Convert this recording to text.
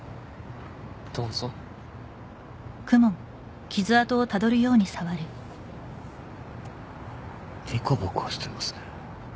どうぞデコボコしてますね